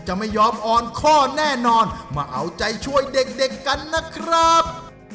จะไม่ยอมอ่อนข้อแน่นอนมาเอาใจช่วยเด็กกันนะครับ